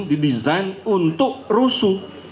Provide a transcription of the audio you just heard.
didesain untuk rusuh